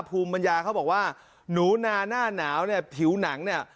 ภูมิปัญญาเขาบอกว่าหนูนาหน้าหนาวเนี่ยผิวหนังเนี่ย